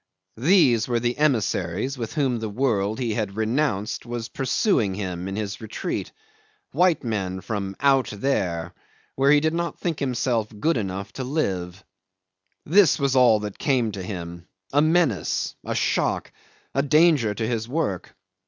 These were the emissaries with whom the world he had renounced was pursuing him in his retreat white men from "out there" where he did not think himself good enough to live. This was all that came to him a menace, a shock, a danger to his work.